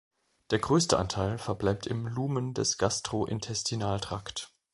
Der größte Anteil verbleibt im Lumen des Gastrointestinaltrakt.